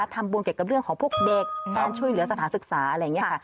ทำบุญเกี่ยวกับเรื่องของพวกเด็กการช่วยเหลือสถานศึกษาอะไรอย่างนี้ค่ะ